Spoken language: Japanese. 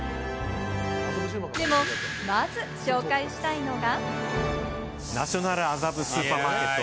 でもまず紹介したいのが。